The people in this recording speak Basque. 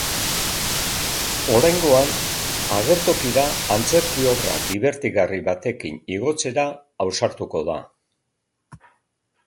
Oraingoan agertokira antzerki obra dibertigarri batekin igotzera ausartuko da.